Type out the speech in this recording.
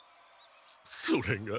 それが。